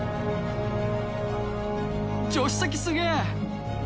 助手席すげー。